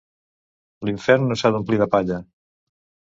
L'infern no s'ha d'omplir de palla.